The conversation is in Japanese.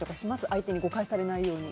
相手に誤解されないように。